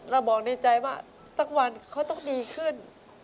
เราบอกในใจว่าสักวันเขาต้องดีขึ้น